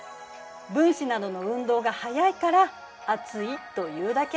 分子などの運動が速いから暑いというだけ。